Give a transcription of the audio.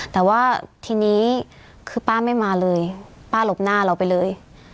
แต่ว่าทีนี้คือป้าไม่มาเลยป้าหลบหน้าเราไปเลย